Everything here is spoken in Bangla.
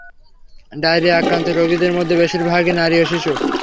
ডায়রিয়ায় আক্রান্ত রোগীদের মধ্যে বেশির ভাগই নারী ও শিশু।